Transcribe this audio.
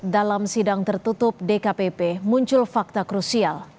dalam sidang tertutup dkpp muncul fakta krusial